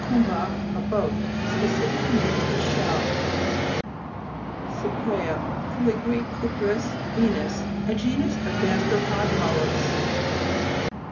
kumba, a boat, specific name of a shell. CY'PREA fr. gr. kupris, Venus. A genus of gasteropod mollusks.